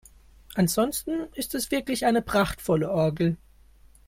Ansonsten ist es wirklich eine prachtvolle Orgel.